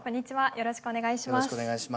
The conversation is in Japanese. よろしくお願いします。